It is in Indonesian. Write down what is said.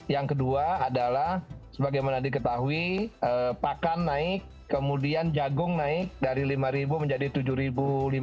yang kedua adalah sebagaimana diketahui pakan naik kemudian jagung naik dari rp lima menjadi rp tujuh lima ratus